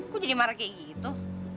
kok jadi marah kayak gitu